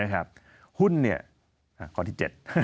หุ้นเนี่ยข้อที่๗